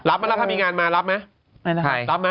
รับมั้ยถ้ามีงานมารับมั้ย